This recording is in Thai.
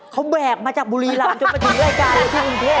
เขาแบกมาจากบุรีร้านจนมาถึงรายการรายการอุงเทศ